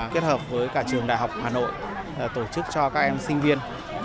kết hợp với cả trường đại học hà nội tổ chức cho các em sinh viên